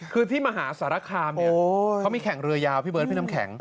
คือที่มหาสารคามเนี่ยเขามีแข่งเรือยาวพี่เบิร์ดพี่น้ำแข็ง